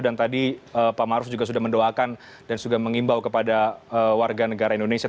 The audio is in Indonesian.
dan tadi pak maruf juga sudah mendoakan dan sudah mengimbau kepada warga negara indonesia